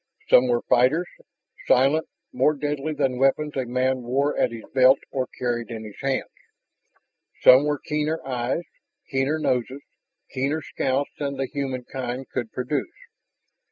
Some were fighters, silent, more deadly than weapons a man wore at his belt or carried in his hands. Some were keener eyes, keener noses, keener scouts than the human kind could produce.